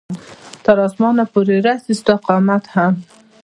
تر اسمانه پورې رسي ستا قامت هم